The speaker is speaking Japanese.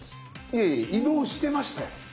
いえいえ移動してましたよ。